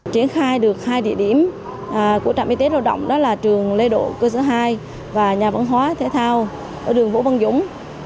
triển khai được hai địa điểm của trạm y tế lao động đó là trường lê độ cơ sở hai và nhà văn hóa thể thao ở đường vũ văn dũng